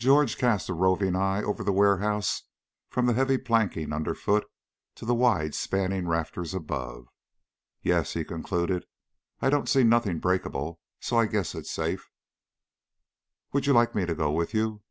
George cast a roving eye over the warehouse from the heavy planking under foot to the wide spanning rafters above. "Yes," he concluded, "I don't see nothing breakable, so I guess it's safe." "Would you like me to go with you?"